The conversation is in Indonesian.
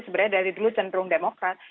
sebenarnya dari dulu cenderung demokrat